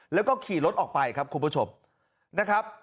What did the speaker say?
แล้วก็ขี่รถออกไปครับคุณผู้ชมนะครับ